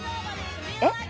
えっ？